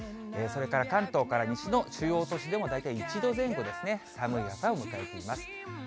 それから関東から西の主要都市でも大体１度前後ですね、寒い朝を迎えています。